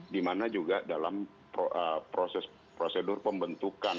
di mana juga dalam proses prosedur pembentukan